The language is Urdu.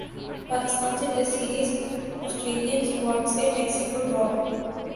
پاکستان سے ٹیسٹ سیریز سٹریلین اسکواڈ سے میکسویل ڈراپ